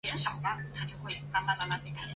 建立可以安身立命的生活空间